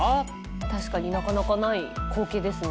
確かになかなかない光景ですね。